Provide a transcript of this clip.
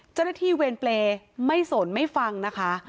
เจ้าหน้าที่เวรเปรย์ไม่สนไม่ฟังนะคะ